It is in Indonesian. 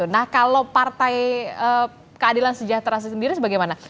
nah kalau partai keadilan sejahtera sendiri bagaimana